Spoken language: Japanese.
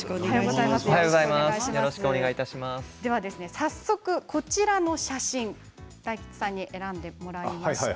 早速、こちらの写真大吉さんに選んでもらいました。